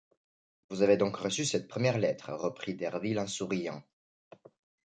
Vous avez donc reçu cette première lettre, reprit Derville en souriant.